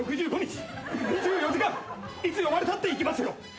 ３６５日２４時間いつ呼ばれたって行きますよ。